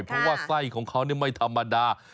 เพราะว่าไส้ของเขาไม่ธรรมดา